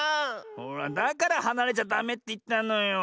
ほらだからはなれちゃダメっていったのよ。